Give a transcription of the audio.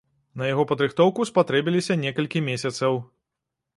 На яго падрыхтоўку спатрэбіліся некалькі месяцаў.